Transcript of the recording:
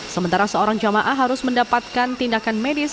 sementara seorang jamaah harus mendapatkan tindakan medis